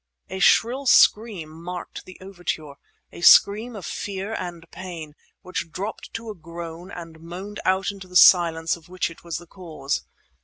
A shrill scream marked the overture—a scream of fear and of pain, which dropped to a groan, and moaned out into the silence of which it was the cause.